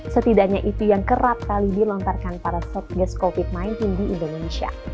setidaknya itu yang kerap kali dilontarkan para satgas covid sembilan belas di indonesia